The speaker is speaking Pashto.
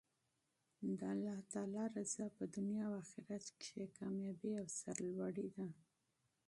د الله تعالی رضاء په دنیا او اخرت کښي کاميابي او سر لوړي ده.